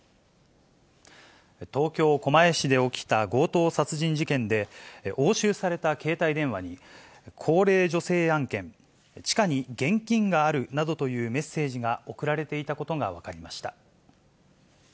東京・狛江市で起きた強盗殺人事件で、押収された携帯電話に、高齢女性案件、地下に現金があるなどというメッセージが送られていたことが分かりました。